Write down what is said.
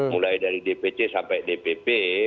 mulai dari dpc sampai dpp